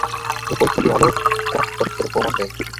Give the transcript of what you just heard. এ পরীক্ষাটিও আলোর কণাতত্ত্বের প্রমাণ দেয়।